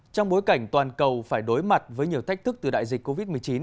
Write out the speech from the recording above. trong bối cảnh toàn cầu phải đối mặt với nhiều thách thức từ đại dịch covid một mươi chín